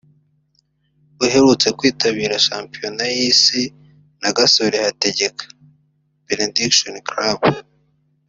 uherutse kwitabira Shampiyona y’Isi na Gasore Hategeka (Benediction Club)